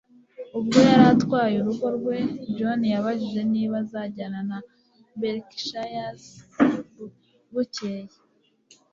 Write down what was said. Ubwo yari atwaye urugo rwe John yabajije niba azajyana na Berkshires bukeye.